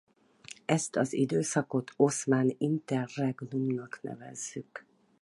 Ezt az időszakot oszmán interregnumnak nevezzük.